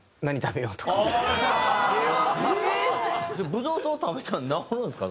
ブドウ糖食べたら直るんですか？